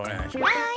はい。